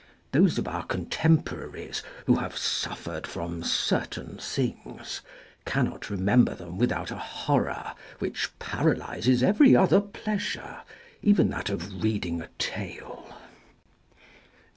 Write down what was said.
Those of our contemporaries who have suffered from certain things cannot remember them without a horror which paralyses every other pleasure, even that of reading a tale.